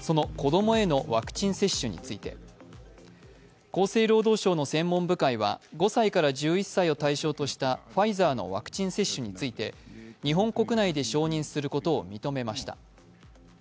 その子どもへのワクチン接種について厚生労働省の専門部会は５歳から１１歳を対象にしたファイザーのワクチン接種について日本国内で承認することを認めました。